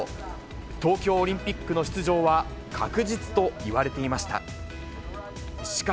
東京オリンピックの出場は確実といわれていました。